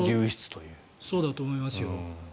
そうだと思います。